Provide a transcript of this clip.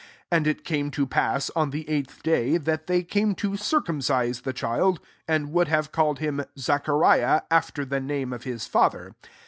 59 And \ came to passy on the eighth dm that they came to circumcise ^ child; and would have called Mi Zachariahy after the name <f M father.